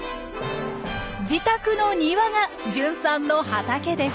自宅の庭が純さんの畑です。